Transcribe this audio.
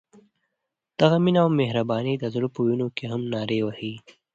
دغه مینه او مهرباني د زړه په وینو کې هم نارې وهي.